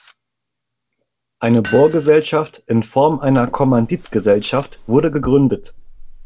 Eine Bohrgesellschaft in Form einer Kommanditgesellschaft wurde gegründet.